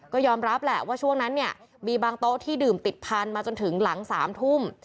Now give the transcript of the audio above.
ก็ยอมรับแหละว่าช่วงนั้นเนี่ยมีบางโต๊ะที่ดื่มติดพันธุมาจนถึงหลัง๓ทุ่ม